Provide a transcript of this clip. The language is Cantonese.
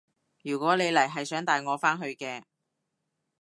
如果你嚟係想帶我返去嘅